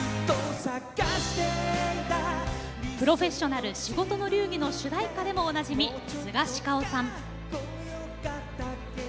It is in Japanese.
「プロフェッショナル仕事の流儀」の主題歌でもおなじみスガシカオさん。